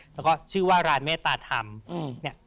แล้วก็ชื่อว่าร้านเมฆาตทำ